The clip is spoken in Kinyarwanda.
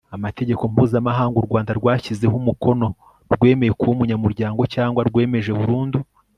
amategeko mpuzamahanga u rwanda rwashyizeho umukono, rwemeye kuba umunyamuryango cyangwa rwemeje burundu